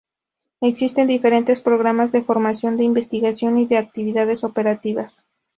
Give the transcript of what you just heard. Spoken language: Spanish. Existen diferentes programas de formación, de investigación y de actividades operativas.